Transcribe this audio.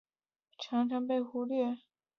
作品间的设定冲突经常被忽略。